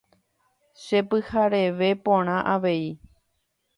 Chepyhareve porã avei.